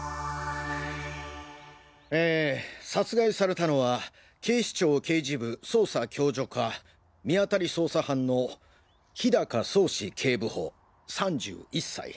え殺害されたのは警視庁刑事部捜査共助課見当たり捜査班の氷高創志警部補３１歳。